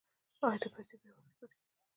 آیا دا پیسې په هیواد کې پاتې کیږي؟